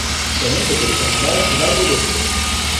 Son oncle était le cardinal Rinaldo d'Este.